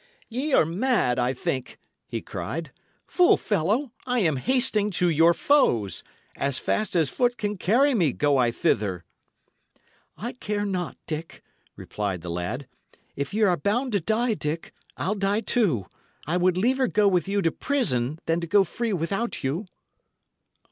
"Y' are mad, I think," he cried. "Fool fellow, I am hasting to your foes; as fast as foot can carry me, go I thither." "I care not, Dick," replied the lad. "If y' are bound to die, Dick, I'll die too. I would liever go with you to prison than to go free without you."